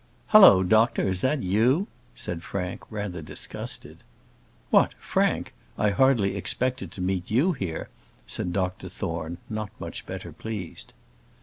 "Hallo, doctor! is that you?" said Frank, rather disgusted. "What! Frank! I hardly expected to meet you here," said Dr Thorne, not much better pleased.